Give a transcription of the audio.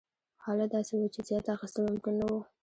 حالت داسې و چې زیات اخیستل ممکن نه وو.